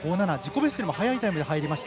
ベストよりも速いタイムで入りました。